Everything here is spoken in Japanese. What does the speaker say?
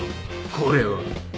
これは。